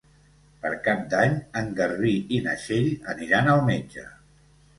Per Cap d'Any en Garbí i na Txell aniran al metge.